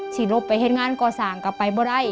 สิรบไปเห็นงานก็สั่งกับไปบร้าย